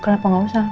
kenapa gak usah